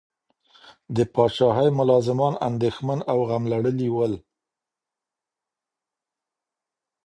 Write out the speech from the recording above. د پاچاهۍ ملازمان اندیښمن او غم لړلي ول.